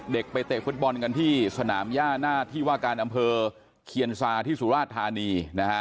เด็กไปเตะฟุตบอลกันที่สนามย่าหน้าที่ว่าการอำเภอเคียนซาที่สุราชธานีนะฮะ